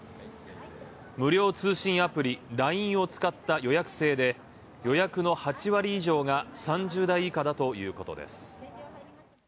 無料通信アプリ「ライン」を使った予約制で、予約の８割以上が３０代以下だということです。